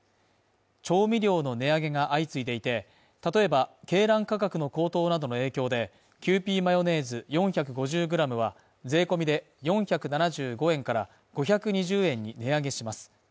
調味料の値上げが相次いでいて、例えば、鶏卵価格の高騰などの影響で、キユーピーマヨネーズ４５０ｇは税込で４７５円から５２０円に値上げします。